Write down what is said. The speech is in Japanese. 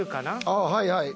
ああはいはい。